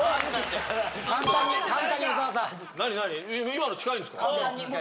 今の近いんですか？